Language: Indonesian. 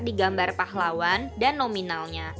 digambar pahlawan dan nominalnya